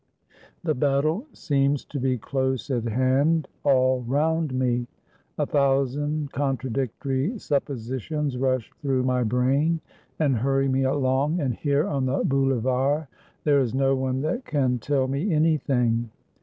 The battle seems to be close at hand, all round me. A thousand contradictory sup positions rush through my brain and hurry me along, and here on the Boulevard there is no one that can tell me anything.